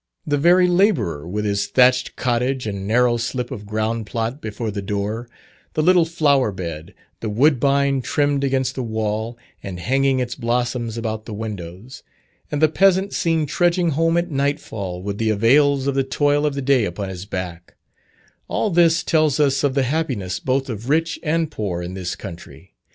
The very labourer with his thatched cottage and narrow slip of ground plot before the door, the little flower bed, the woodbine trimmed against the wall, and hanging its blossoms about the windows, and the peasant seen trudging home at nightfall with the avails of the toil of the day upon his back all this tells us of the happiness both of rich and poor in this country.